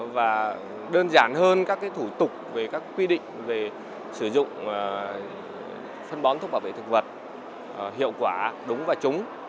và đơn giản hơn các thủ tục về các quy định về sử dụng phân bón thuốc bảo vệ thực vật hiệu quả đúng và trúng